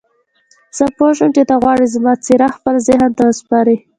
زه پوه شوم چې ته غواړې زما څېره خپل ذهن ته وسپارې.